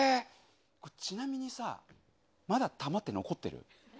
これ、ちなみにさ、まだ弾って残ってる？